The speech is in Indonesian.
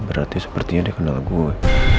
berarti sepertinya dia kenal gue